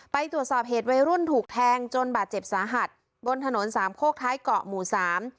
ไปตรวจสอบเหตุวัยรุ่นถูกแทงจนบาดเจ็บสาหัสบนถนนสามโคกท้ายเกาะหมู่สาม